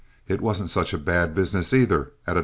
It wasn't such bad business, either, at $1.